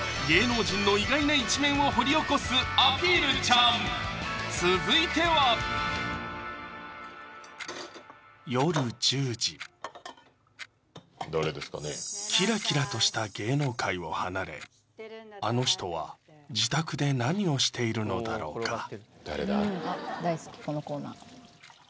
芸能人の意外な一面を掘り起こす「アピルちゃん」続いては夜１０時キラキラとした芸能界を離れあの人は自宅で何をしているのだろうか？